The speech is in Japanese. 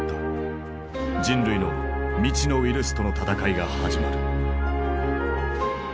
人類の未知のウイルスとの闘いが始まる。